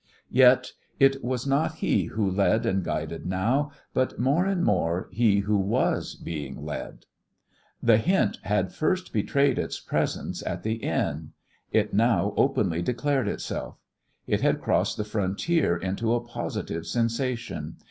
Yet it was not he who led and guided now, but, more and more, he who was being led. The hint had first betrayed its presence at the inn; it now openly declared itself. It had crossed the frontier into a positive sensation.